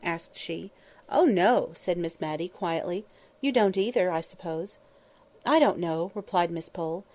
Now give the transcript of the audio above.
asked she. "Oh, no!" said, Miss Matty quietly. "You don't either, I suppose?" "I don't know," replied Miss Pole.